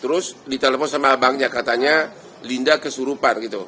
terus di telpon sama abangnya katanya linda kesurupan gitu